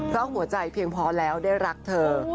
เพราะหัวใจเพียงพอแล้วได้รักเธอ